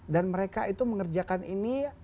dan mereka itu mengerjakan ini untuk menangani